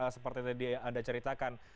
seperti tadi anda ceritakan